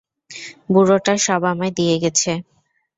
বুড়োটা সব আমায় দিয়ে গেছে।